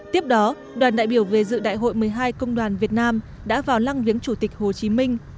tiếp đó đoàn đại biểu về dự đại hội một mươi hai công đoàn việt nam đã vào lăng viếng chủ tịch hồ chí minh